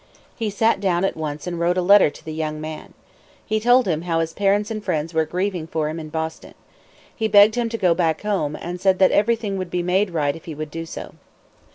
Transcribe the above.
He sat down at once and wrote a letter to the young man. He told him how his parents and friends were grieving for him in Boston. He begged him to go back home, and said that everything would be made right if he would do so.